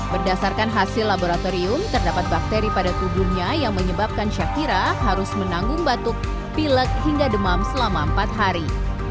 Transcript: berdasarkan hasil laboratorium terdapat bakteri pada tubuhnya yang menyebabkan syafira harus menanggung batuk pilek hingga demam selama empat hari